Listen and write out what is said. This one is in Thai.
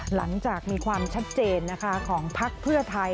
หลังจากมีความชัดเจนนะคะของพักเพื่อไทย